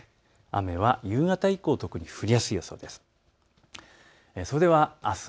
雨は夕方以降、特に降りやすい予想です。